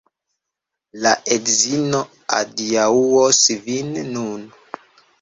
La edzino adiaŭos vin nun